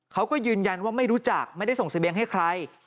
เขาก็ยืนยันว่าไม่รู้จักไม่ได้ส่งเสบียงให้ใคร